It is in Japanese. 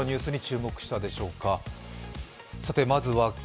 皆さんはどのニュースに注目したでしょうか。